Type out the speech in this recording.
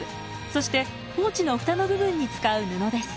そしてポーチの蓋の部分に使う布です。